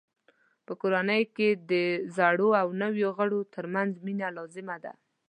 په کورنۍ کې د زړو او نویو غړو ترمنځ مینه لازمه ده.